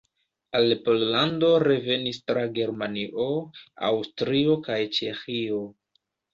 Al Pollando revenis tra Germanio, Aŭstrio kaj Ĉeĥio.